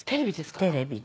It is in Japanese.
テレビで。